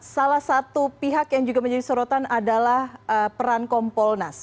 salah satu pihak yang juga menjadi sorotan adalah peran kompolnas